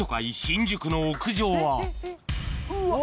新宿の屋上はうわ！